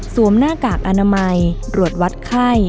หน้ากากอนามัยตรวจวัดไข้